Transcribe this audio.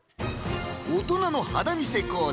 大人の肌見せコーデ